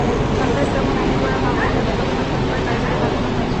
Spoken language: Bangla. সন্ত্রাস দমন আইনে করা মামলায় তাঁদের গতকাল শনিবার কারাগারে পাঠানো হয়েছে।